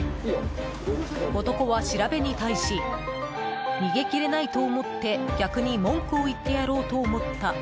男は調べに対し逃げきれないと思って逆に文句を言ってやろうと思った。